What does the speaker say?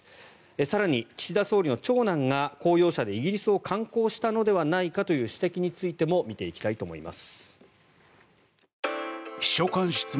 更に、岸田総理の長男が公用車でイギリスを観光したのではないかという指摘についても見ていきたいと思います。